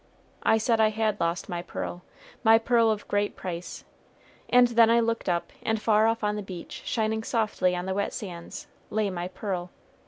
I said I had lost my pearl my pearl of great price and then I looked up, and far off on the beach, shining softly on the wet sands, lay my pearl.